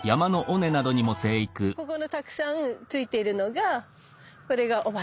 ここのたくさんついているのがこれが雄花。